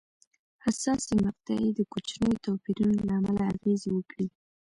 حساسې مقطعې د کوچنیو توپیرونو له امله اغېزې وکړې.